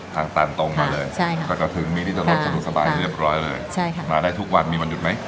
ทางสารตรงมาเลยแล้วก็ถึงมิติโจรสชนุกสบายเรียบร้อยเลยมาได้ทุกวันมีวันหยุดไหม